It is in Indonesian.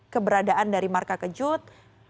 keberadaan dari marka kejut